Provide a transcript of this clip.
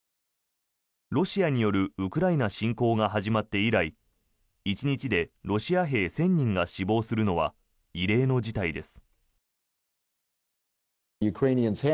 ロシアによるウクライナ侵攻が始まって以来１日でロシア兵１０００人が死亡するのは異例の事態です。